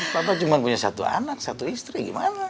bapak cuma punya satu anak satu istri gimana